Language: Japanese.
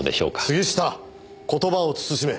杉下言葉を慎め。